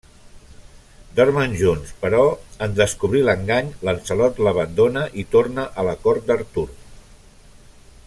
Dormen junts, però en descobrir l'engany, Lancelot l'abandona i torna a la cort d'Artur.